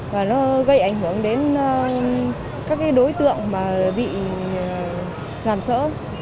và nó gây ảnh hưởng đến các cái đối tượng mà bị xàm sỡ